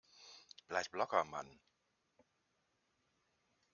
Bleib locker, Mann!